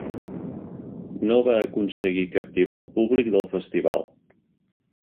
No va aconseguir captivar el públic del festival.